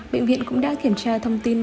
bệnh viện cũng đã kiểm tra thông tin